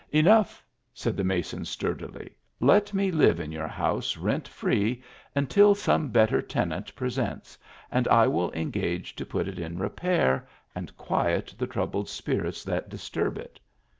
" Enough," said the mason sturdily " Let me live in your house rent free until some better tenant presents, and I will engage to put it in repair and quiet the troubled spirits that disturb it.